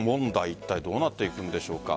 いったいどうなっていくんでしょうか。